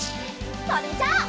それじゃあ。